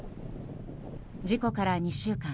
事故から２週間。